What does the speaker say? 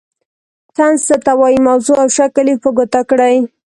طنز څه ته وايي موضوع او شکل یې په ګوته کړئ.